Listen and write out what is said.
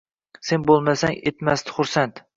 Sen bo’lmasang, etmasdi xursand